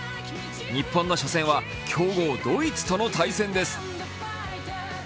日本の初戦は強豪・ドイツとの対戦です。